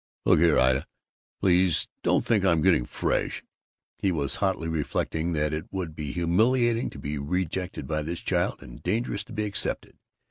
"Look here, Ida; please don't think I'm getting fresh " He was hotly reflecting that it would be humiliating to be rejected by this child, and dangerous to be accepted.